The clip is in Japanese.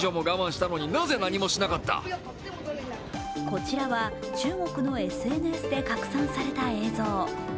こちらは中国のＳＮＳで拡散された映像。